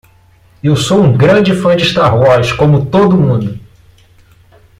Eu sou um grande fã de Star Wars como todo mundo.